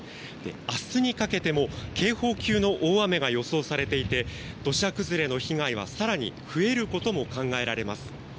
明日にかけても警報級の大雨が予想されていて土砂崩れの被害は更に増えることも考えられます。